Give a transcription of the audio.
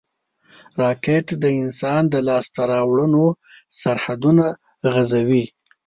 راکټ د انسان د لاسته راوړنو سرحدونه غځوي